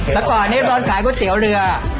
แต่ก่อนนี้ตอนขายก๋วยเตี๋ยวเรือ